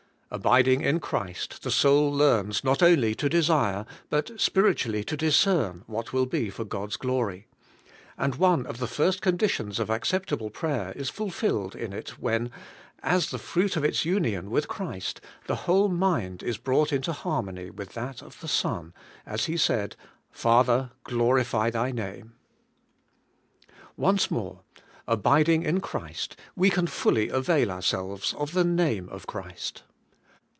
Abiding in Christ, the soul learns not only to desire, but spiritually to discern what will be for God's glory; and one of the first conditions of acceptable prayer is fulfilled in it when, as the fruit of its union with Christ, the whole mind is brought into harmony with that of the Son as He said: 'Father, glorify Thy name.' Once more: Abiding in Christ, we can fully avail so WILL YOU HAVE POWER IN PRAYER. 161 ourselves of the name of Christ.